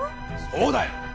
そうだよ！